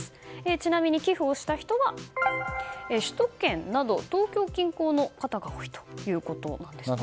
ちなみに、寄付をした人は首都圏など東京近郊の方が多いということなんですね。